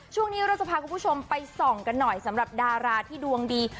ช่วงนี้เราจะพาคุณผู้ชมไปส่องกันหน่อยสำหรับดาราที่ดวงดี